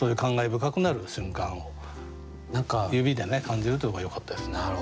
深くなる瞬間を指で感じるというのがよかったですね。